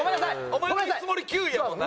お前の見積もり９位やもんな。